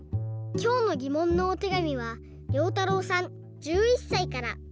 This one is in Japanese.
きょうのぎもんのおてがみはりょうたろうさん１１さいから。